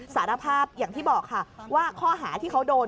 สารภาพอย่างที่บอกค่ะว่าข้อหาที่เขาโดน